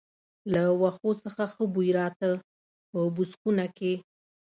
له وښو څخه ښه بوی راته، په بوس خونه کې.